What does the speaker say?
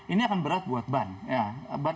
ini akan berat buat ban